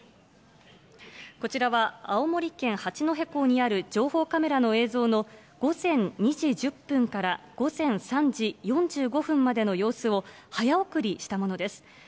こちらは青森県八戸港にある情報カメラの映像の、午前２時１０分から午前３時４５分までの様子を、早送りしたものです。